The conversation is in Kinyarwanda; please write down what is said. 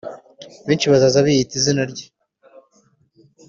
Benshi bazaza biyita izina rye